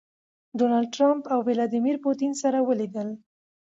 ډونالډ ټرمپ او ويلاديمير پوتين سره وليدل.